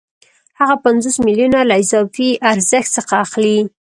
هغه پنځوس میلیونه له اضافي ارزښت څخه اخلي